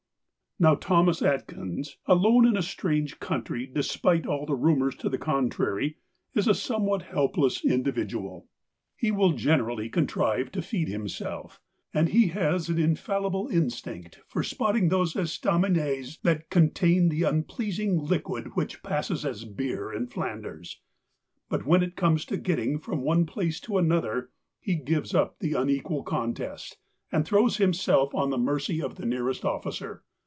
••••■ Now Thomas Atkins alone in a strange country, despite all rumours to the contrary, is a somewhat helpless individual. He will THE COWARD 129 generally contrive to feed himself, and he has an infallible instinct for spotting those estaminets that contain the unpleasing liquid which passes as beer in Flanders. But when it comes to getting from one place to another, he gives up the unequal contest, and throws himself on the mercy of the nearest officer.